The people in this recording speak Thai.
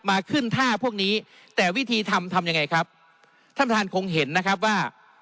มาขึ้นท่าพวกนี้แต่วิธีทำทำยังไงครับท่านประธานคงเห็นนะครับว่า